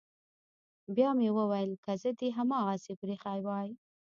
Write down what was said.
بيا مې وويل که زه دې هماغسې پريښى واى.